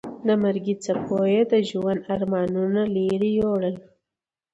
د مرګي څپو یې د ژوند ارمانونه لرې یوړل.